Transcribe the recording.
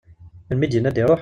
Melmi i d-inna ad d-iruḥ?